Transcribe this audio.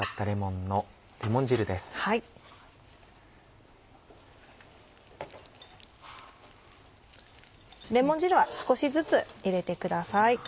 レモン汁は少しずつ入れてください。